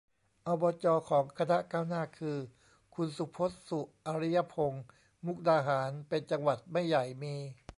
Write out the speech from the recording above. อบจ ของคณะก้าวหน้าคือ คุณสุพจน์ สุอริยพงษ์ มุกดาหารเป็นจังหวัดไม่ใหญ่มี